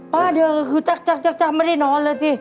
เดียวก็คือจักไม่ได้นอนเลยสิ